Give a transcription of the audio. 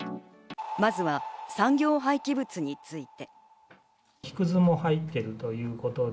まずは産業廃棄物について。